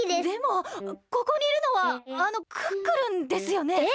でもここにいるのはあのクックルンですよね？